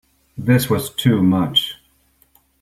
This was too much.